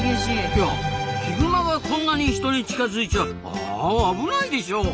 いやヒグマがこんなに人に近づいちゃ危ないでしょう！